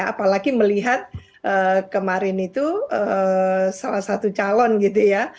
apalagi melihat kemarin itu salah satu calon gitu ya